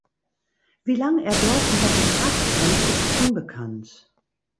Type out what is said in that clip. Wie lang er dort unter Vertrag stand ist unbekannt.